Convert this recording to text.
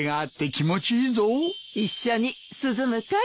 一緒に涼むかい？